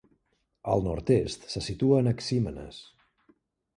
Al nord-est se situa Anaxímenes.